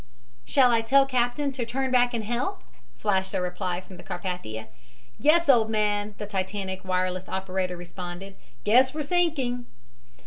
"Shall I tell captain to turn back and help?" flashed a reply from the Carpathia. "Yes, old man," the Titanic wireless operator responded. "Guess we're sinking."